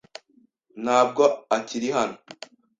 Ntabwo akiri hano.